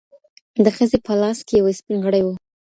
د ښځي په لاس کي یو سپین غړی و.